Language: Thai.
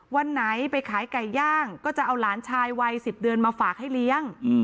วันไหนไปขายไก่ย่างก็จะเอาหลานชายวัย๑๐เดือนมาฝากให้เลี้ยง